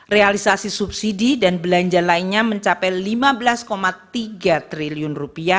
realisasi subsidi dan belanja lainnya mencapai rp lima belas tiga triliun